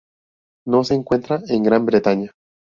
No se encuentra en Gran Bretaña.